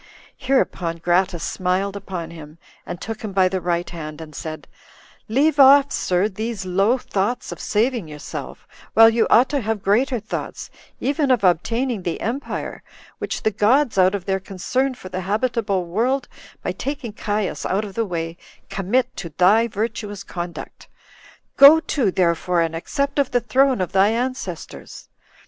Hereupon Gratus smiled upon him, and took him by the right hand, and said, "Leave off, sir, these low thoughts of saving yourself, while you ought to have greater thoughts, even of obtaining the empire, which the gods, out of their concern for the habitable world, by taking Caius out of the way, commit to thy virtuous conduct. Go to, therefore, and accept of the throne of thy ancestors."